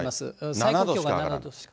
最高気温が７度しか。